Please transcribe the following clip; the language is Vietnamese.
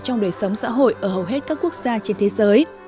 trong đời sống xã hội ở hầu hết các quốc gia trên thế giới